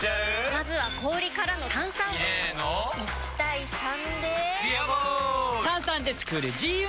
まずは氷からの炭酸！入れの１：３で「ビアボール」！